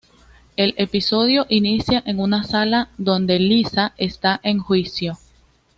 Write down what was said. El episodio inicia en una sala donde Lisa está en juicio.